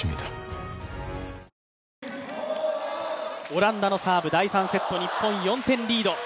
オランダのサーブ、第３セット、日本、４点リード。